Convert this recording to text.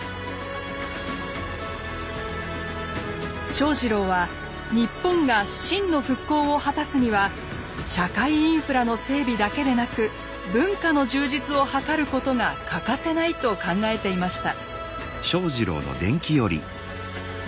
正二郎は日本が真の復興を果たすには社会インフラの整備だけでなく文化の充実をはかることが欠かせないと考えていました。